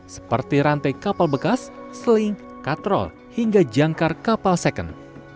seperti rantai kapal bekas seling katrol hingga jangkar kapal second